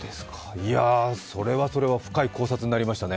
いや、それはそれは深い考察になりましたね。